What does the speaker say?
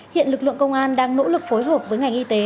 hiện lực lượng công an đang nỗ lực phối hợp với ngành y tế